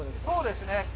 そうですね